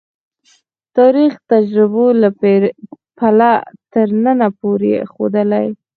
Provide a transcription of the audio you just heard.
تاریخي تجربو له پیله تر ننه پورې ښودلې.